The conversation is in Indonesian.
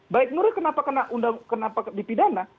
baik nuril kenapa dipidana